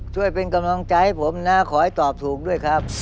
ช่วยเป็นกำลังใจให้ผมนะขอให้ตอบถูกด้วยครับ